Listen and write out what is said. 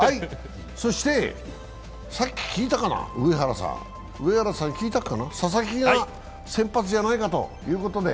さっき聞いたかな、佐々木が先発じゃないかということで。